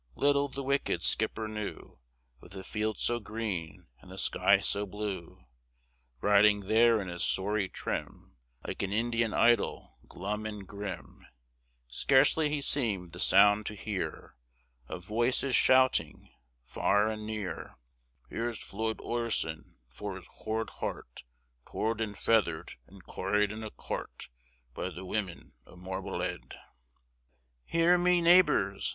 Little the wicked skipper knew Of the fields so green and the sky so blue. Riding there in his sorry trim, Like an Indian idol glum and grim, Scarcely he seemed the sound to hear Of voices shouting, far and near: "Here's Flud Oirson, fur his horrd horrt, Torr'd an' futherr'd an' corr'd in a corrt By the women o' Morble'ead!" "Hear me, neighbors!"